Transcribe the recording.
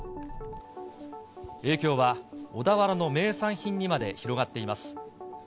影響は小田原の名産品にまで広がっています。